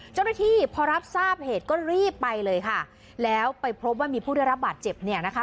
เจ้าหน้าที่พอรับทราบเหตุก็รีบไปเลยค่ะแล้วไปพบว่ามีผู้ได้รับบาดเจ็บเนี่ยนะคะ